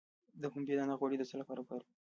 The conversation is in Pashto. د پنبې دانه غوړي د څه لپاره وکاروم؟